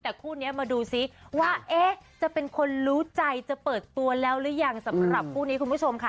แต่คู่นี้มาดูซิว่าจะเป็นคนรู้ใจจะเปิดตัวแล้วหรือยังสำหรับคู่นี้คุณผู้ชมค่ะ